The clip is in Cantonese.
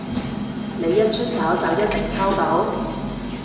你一出手就一定溝到？